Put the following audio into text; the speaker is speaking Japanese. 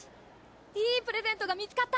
いいプレゼントが見つかった！